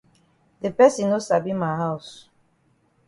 De person no sabi ma haus.